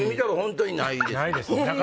本当にないですね。